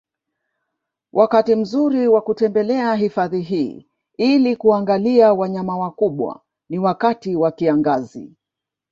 Wakati mzuri wa kutembelea hifadhi hii ili kuangaliwa wanyama wakubwa ni wakati wa kiangazi